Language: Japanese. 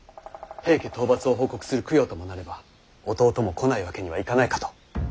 平家討伐を報告する供養ともなれば弟も来ないわけにはいかないかと。